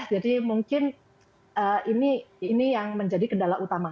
jadi mungkin ini yang menjadi kendala utama